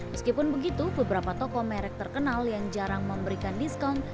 meskipun begitu beberapa toko merek terkenal yang jarang memberikan diskon